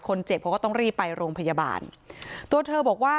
คนเจ็บเขาก็ต้องรีบไปโรงพยาบาลตัวเธอบอกว่า